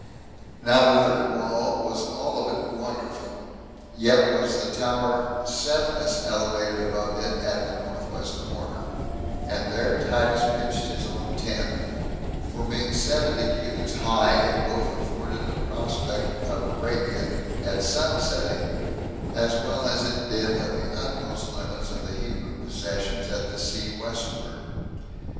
Now the third wall was all of it wonderful; yet was the tower Psephinus elevated above it at the north west corner, and there Titus pitched his own tent; for being seventy cubits high it both afforded a prospect of Arabia at sun rising, as well as it did of the utmost limits of the Hebrew possessions at the sea westward.